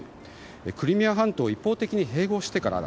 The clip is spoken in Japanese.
クリミア半島を一方的に併合してからだ。